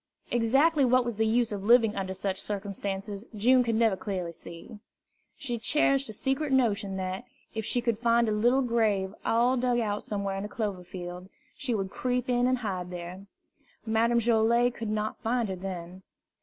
Exactly what was the use of living under such circumstances June never could clearly see. She cherished a secret notion that, if she could find a little grave all dug out somewhere in a clover field, she would creep in and hide there. Madame Joilet could not find her then.